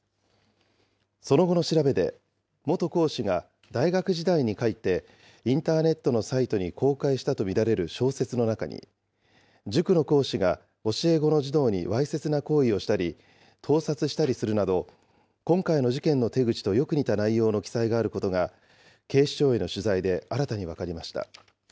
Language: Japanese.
その後の調べで、元講師が大学時代に書いて、インターネットのサイトに公開したと見られる小説の中に、塾の講師が教え子の児童にわいせつな行為をしたり、盗撮したりするなど、今回の事件の手口とよく似た内容の記載があることが、警視庁への取材で新たに分かりました。